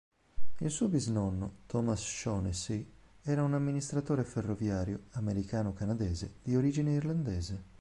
Il suo bisnonno Thomas Shaughnessy era un amministratore ferroviario americano-canadese di origine irlandese.